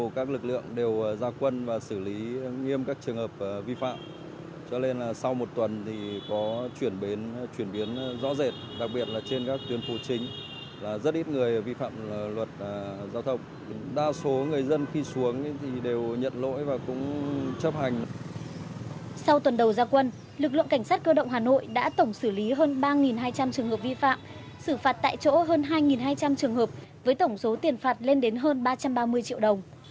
sau tuần đầu gia quân lực lượng cảnh sát cơ động hà nội đã tổng xử lý hơn ba hai trăm linh trường hợp vi phạm xử phạt tại chỗ hơn hai hai trăm linh trường hợp với tổng số tiền phạt lên đến hơn ba trăm ba mươi triệu đồng